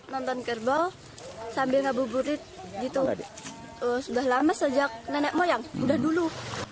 nonton kerbau sambil ngebuburit gitu sudah lama sejak nenek moyang udah dulu